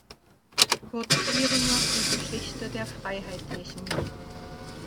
Kurt Piringer: "Die Geschichte der Freiheitlichen.